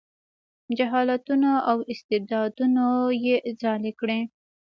جهالتونو او استبدادونو یې ځالې کړي.